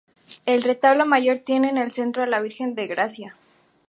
El retablo mayor tiene en el centro a la Virgen de Gracia.